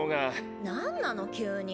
何なの急に。